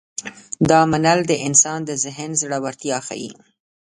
دا منل د انسان د ذهن زړورتیا ښيي.